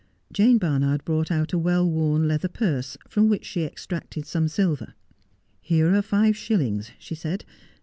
Jane Barnnrd brought out a well worn leather purse, from which she extracted some silver. ' Here are five shillings,' she said.